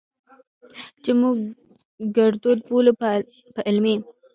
چې موږ ګړدود بولو، په علمي